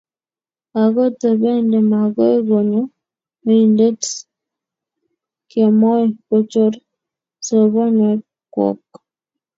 Akotobende makoi konyo oindet kemoi kochor sobonwek kwok